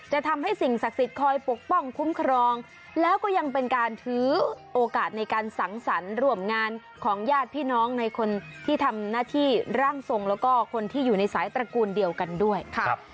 ทำให้สิ่งศักดิ์สิทธิ์คอยปกป้องคุ้มครองแล้วก็ยังเป็นการถือโอกาสในการสังสรรค์ร่วมงานของญาติพี่น้องในคนที่ทำหน้าที่ร่างทรงแล้วก็คนที่อยู่ในสายตระกูลเดียวกันด้วยครับ